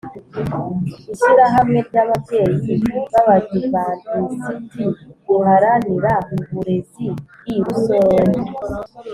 Ishyirahamwe ry ababyeyi b abadivantisiti riharanira uburezi i rusororo